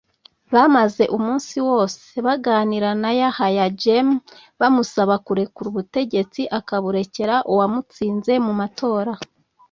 bamaze umunsi wose baganira na Yahya Jammeh bamusaba kurekura ubutegetsi akaburekera uwamutsinze mu matora